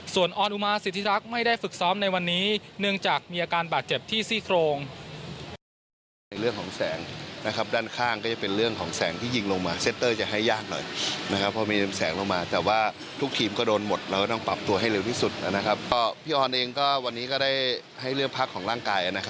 ส่วนออนอุมาสิทธิรักษ์ไม่ได้ฝึกซ้อมในวันนี้เนื่องจากมีอาการบาดเจ็บที่ซี่โครง